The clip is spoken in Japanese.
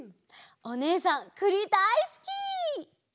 おねえさんくりだいすき！